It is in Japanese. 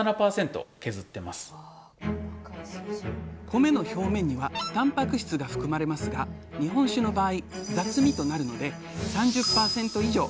米の表面にはたんぱく質が含まれますが日本酒の場合雑味となるので３０％以上削ります。